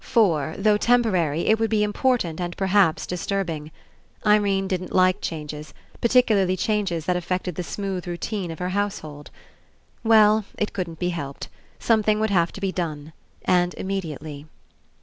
For, though tem porary, it would be important and perhaps dis turbing. Irene didn't like changes, particularly changes that affected the smooth routine of her household. Well, it couldn't be helped. Some thing would have to be done. And immediately.